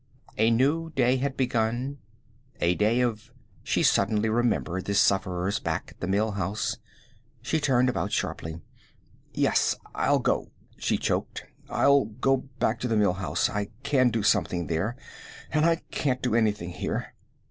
A new day had begun, a day of She suddenly remembered the sufferers back at the Mill House. She turned about sharply. "Yes, I'll go," she choked. "I'll go back to the Mill House. I can do something there, and I can't do anything here.